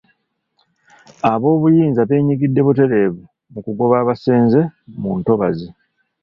Ab'obuyinza benyigidde butereevu mu kugoba abasenze mu ntobazi.